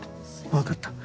わかった。